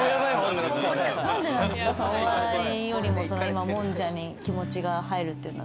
なんでお笑いよりももんじゃに気持ちが入るってのは。